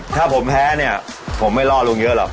ถ้าผมแพ้เนี่ยผมไม่ล่อลุงเยอะหรอก